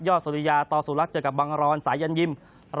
สุริยาต่อสุรักษ์เจอกับบังรอนสายันยิม